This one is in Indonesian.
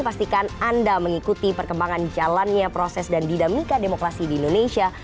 pastikan anda mengikuti perkembangan jalannya proses dan dinamika demokrasi di indonesia